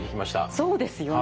そうですよね。